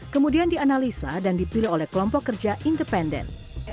kemudian dianalisa dan dipilih oleh kelompok kerja independen